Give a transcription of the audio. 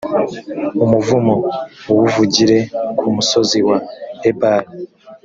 umuvumo uwuvugire ku musozi wa ebali.